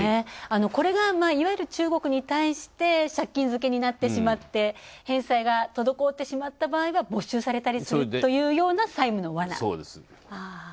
これがいわゆる中国に対して借金漬けになってしまって返済が滞ってしまった場合は没収されてしまったりするという債務のわな。